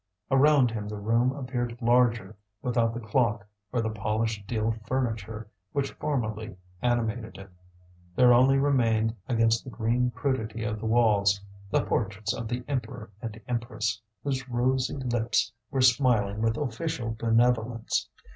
Around him the room appeared larger without the clock or the polished deal furniture which formerly animated it; there only remained against the green crudity of the walls the portraits of the Emperor and Empress, whose rosy lips were smiling with official benevolence.